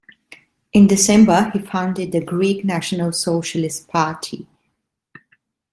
In December he founded the Greek National Socialist Party.